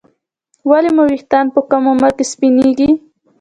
ولې مو ویښتان په کم عمر کې سپینېږي